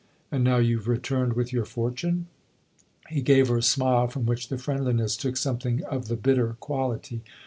"And now you've returned with your fortune ?" He gave her a smile from which the friendliness took something of the bitter quality.